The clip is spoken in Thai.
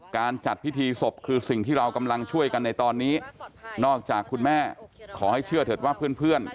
การจัดพิธีศพคือสิ่งที่เรากำลังช่วยกันในตอนนี้นอกจากคุณแม่ขอให้เชื่อเถอะว่าเพื่อนเพื่อน